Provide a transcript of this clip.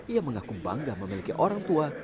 ia mengaku bangga memiliki orang tua